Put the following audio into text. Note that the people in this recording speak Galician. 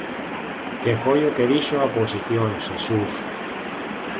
Que foi o que dixo a oposición Xesús...